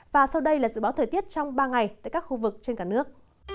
và sau đây là dự báo thời tiết trong ba ngày tại các khu vực trên cả nước